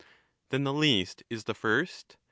Then the least is the first ?